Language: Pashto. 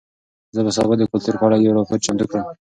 زه به سبا د کلتور په اړه یو راپور چمتو کړم.